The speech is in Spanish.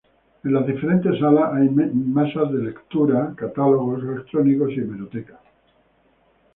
En las diferentes salas hay mesas de lectura, catálogos electrónicos y hemeroteca.